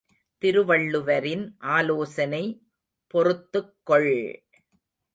திருவள்ளுவரின் ஆலோசனை பொறுத்துக் கொள்!